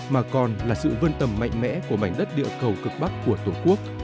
mà còn là sự vươn tầm mạnh mẽ của mảnh đất địa cầu cực bắc của tổ quốc